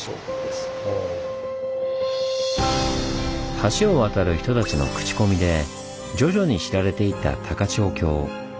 橋を渡る人たちの口コミで徐々に知られていった高千穂峡。